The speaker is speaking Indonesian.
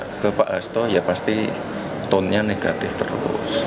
tanya ke pak asto ya pasti tonnya negatif terus